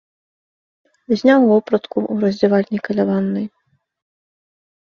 Зняў вопратку ў раздзявальні каля ваннай.